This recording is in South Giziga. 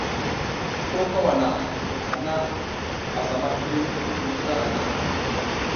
Ko kawana mbur hana asa ma hiri ngi slra hana.